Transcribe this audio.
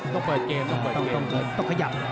ต้องเปิดเกมนะต้องครับต้องเขยับ